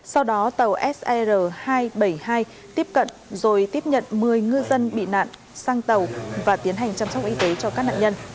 sau đó tàu sar hai trăm bảy mươi hai tiếp cận rồi tiếp nhận một mươi ngư dân bị nạn sang tàu và tiến hành chăm sóc y tế cho các nạn nhân